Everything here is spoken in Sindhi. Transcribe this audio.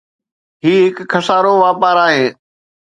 هي هڪ خسارو واپار آهي.